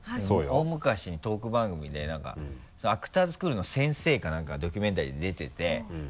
大昔にトーク番組でなんかアクターズスクールの先生かなんかがドキュメンタリーに出てて。